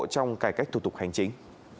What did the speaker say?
trong cải cách thủ tục hành chính